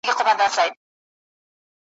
ښځه یم، کمزورې نه یم,